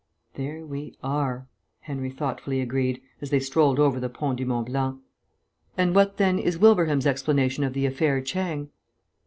"There we are," Henry thoughtfully agreed, as they strolled over the Pont du Mont Blanc. "And what, then, is Wilbraham's explanation of the affair Chang?"